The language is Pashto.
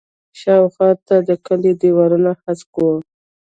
شاوخوا ته د کلي دیوالونه هسک وو.